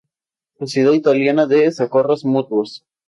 Sociedad Italiana de Socorros Mutuos.